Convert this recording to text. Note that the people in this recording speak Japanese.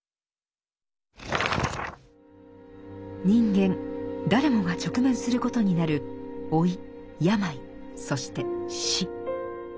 人間誰もが直面することになる老い病そして死。